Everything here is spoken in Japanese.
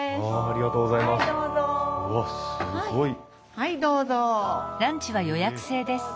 はいどうぞ。